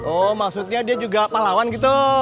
oh maksudnya dia juga pahlawan gitu